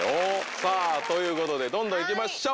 さぁということでどんどん行きましょう。